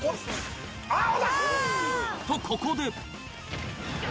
とここで。